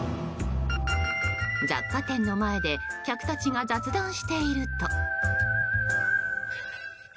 雑貨店の前で客たちが雑談していると。